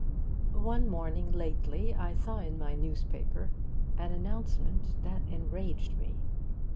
One morning lately I saw in my newspaper an announcement that enraged me.